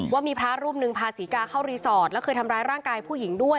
ว่ามีพระรูปหนึ่งพาศรีกาเข้ารีสอร์ทแล้วเคยทำร้ายร่างกายผู้หญิงด้วย